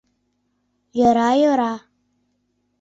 — Йӧра, йӧра!